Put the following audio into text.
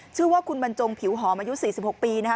ชื่อว่าคุณบรรจงภิวหอมอายุสี่สิบหกปีนะฮะ